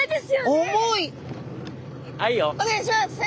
お願いします！